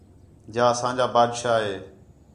جا اسانجا بادشاہ ہِے